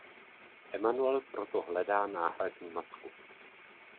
Emmanuel proto hledá náhradní matku.